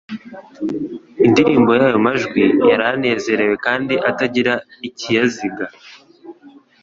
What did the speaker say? Indirimbo y'ayo majwi yari anezerewe kandi atagira ikiyaziga,